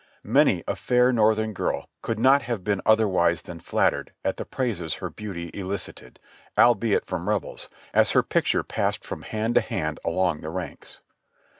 Many a fair Northern girl could not have been otherwise than flattered at the praises her beauty elicited, albeit from Rebels, as her picture passed from hand to hand along the ranks.